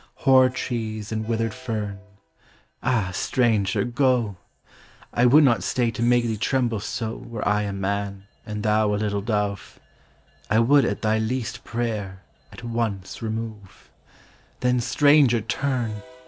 Hoar trees and withered fern â Ah, stranger, go ! I would not stay to make thee tremble so Were I a man, and thou a little dove; I would, at thy least prayer, at once remove. 174 POEMS. Then, stranger, turn